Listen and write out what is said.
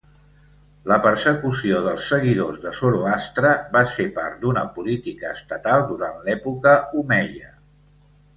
La persecució dels seguidors de Zoroastre va ser part d'una política estatal durant l'època omeia.